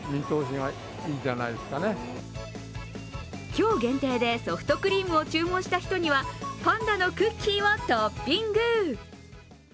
今日限定でソフトクリームを注文した人にはパンダのクッキーをトッピング。